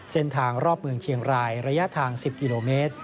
เส้นทางรอบเมืองเชียงรายระยะทาง๑๐กิโลเมตร